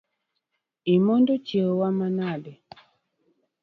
Imondo chiewo wa manade?